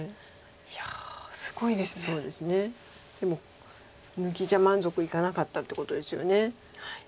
でも抜きじゃ満足いかなかったっていうことですよね。